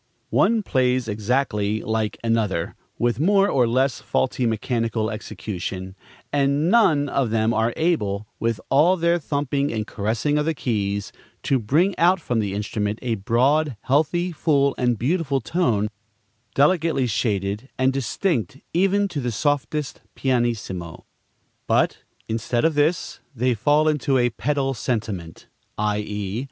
One plays exactly like another, with more or less faulty mechanical execution; and none of them are able, with all their thumping and caressing of the keys, to bring out from the instrument a broad, healthy, full, and beautiful tone, delicately shaded and distinct even to the softest pp. But, instead of this, they fall into a pedal sentiment; _i.e.